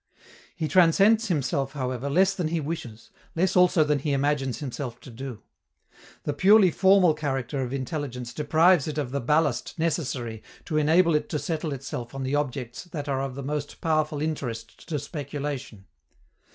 He transcends himself, however, less than he wishes, less also than he imagines himself to do. The purely formal character of intelligence deprives it of the ballast necessary to enable it to settle itself on the objects that are of the most powerful interest to speculation.